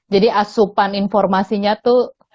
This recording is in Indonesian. jadi asupan informasinya tuh